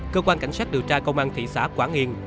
cơ quan cảnh sát điều tra công an thị xã quảng yên